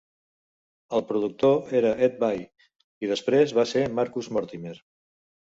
El productor era Ed Bye, i després va ser Marcus Mortimer.